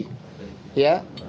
keputusan maka terjadi